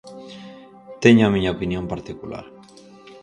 Teño a miña opinión particular.